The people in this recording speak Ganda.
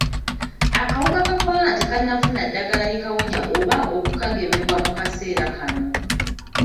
Akawuka ka kolona tekannafuna ddagala likawonya oba okukagemebwa mu kaseera kano.